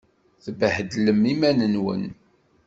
Tebbhedlem iman-nwen!